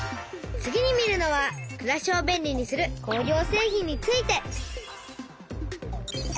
次に見るのはくらしを便利にする工業製品について。